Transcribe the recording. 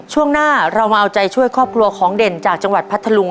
ช่วงหน้าเรามาเอาใจช่วยครอบครัวของเด่นจากจังหวัดพัทธลุง